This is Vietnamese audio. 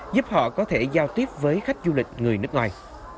giúp họ có thể giao tiếp với khách du lịch người nước ngoài